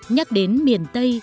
nhắc đến miền tây